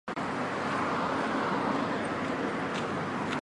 阿拉贡先驱报是西班牙阿拉贡自治区首府萨拉戈萨市发行的地区日报。